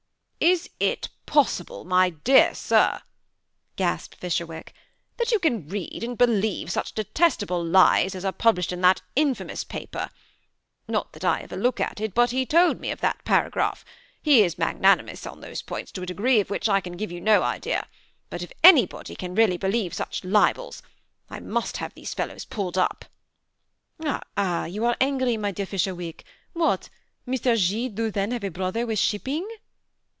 '' "is it possible, my dear sir, ' gasped Fisherwick, " that you can read and believe such detestable lies as are published in that infamous paper ? not that I ever look at it, but he told me of that paragraph. He is magnanimous on those points to a degree of which I can give you no idea; but if anybody can really believe such libels, — I must have these fellows pulled up." " Ah I ah I you are angry, my dear Fisherwick. What I Mr. G. do then have a brother with ship ping?"